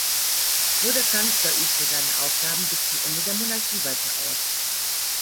Nur der Kanzler übte seine Aufgaben bis zum Ende der Monarchie weiter aus.